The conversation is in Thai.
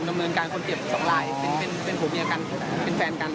ดำเนินการคนเจ็บสองลายเป็นผัวเมียกันเป็นแฟนกัน